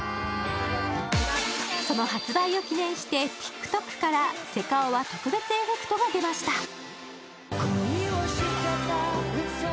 その発売を記念してＴｉｋＴｏｋからセカオワ特別エフェクトが出ました。